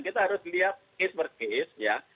kita harus lihat case per case ya